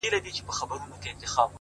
هغه مړ له مــسته واره دى لوېـدلى _